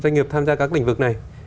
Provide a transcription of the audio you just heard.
doanh nghiệp tham gia các lĩnh vực này